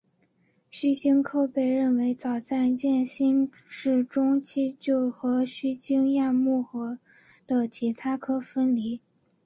须鲸科被认为早在渐新世中期就和须鲸亚目的其他科分离。